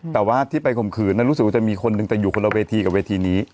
แต่ว่าที่ไปข่มขืนนั้นรู้สึกว่าจะมีคนหนึ่งแต่อยู่คนละเวทีกับเวทีนี้